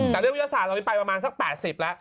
แต่เรื่องวิทยาศาสตร์ตอนนี้ไปประมาณสัก๘๐แล้ว